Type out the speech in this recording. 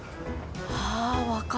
ああ分かる。